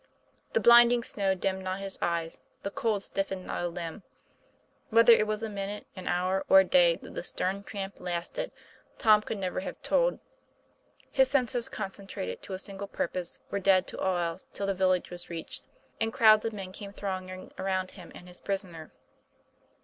The blinding snow dimmed not his eyes, the cold stiffened not a limb. Whether it was a minute, an hour, or a day that the stern tramp lasted, Tom could never have told. His senses, concentrated to a single purpose, were dead to all else till the village was reached, and crowds of men came thronging around him and his prisoner.